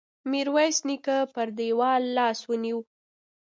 ميرويس نيکه پر دېوال لاس ونيو.